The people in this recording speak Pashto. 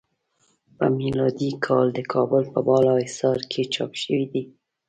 په میلادی کال د کابل په بالا حصار کې چاپ شوی دی.